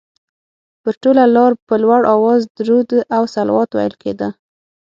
پر ټوله لاره په لوړ اواز درود او صلوات ویل کېده.